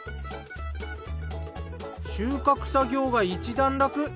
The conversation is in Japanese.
収穫作業が一段落。